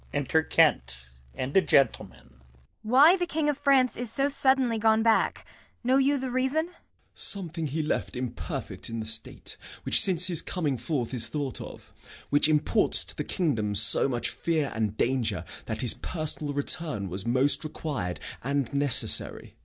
Enter Kent and a Gentleman. Kent. Why the King of France is so suddenly gone back know you the reason? Gent. Something he left imperfect in the state, which since his coming forth is thought of, which imports to the kingdom so much fear and danger that his personal return was most required and necessary.